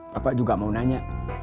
bapak juga mau nanya